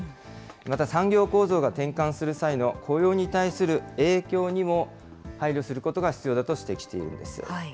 また産業構造が転換する際の雇用に対する影響にも配慮することが必要だと指摘しているんです。